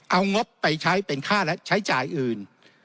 เอางบไปใช้เป็นค่าและใช้จ่ายอื่น